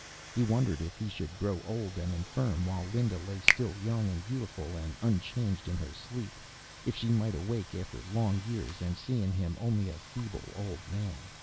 He wondered if he should grow old and infirm, while Linda lay still young and beautiful and unchanged in her sleep; if she might awake, after long years, and see in him only a feeble old man.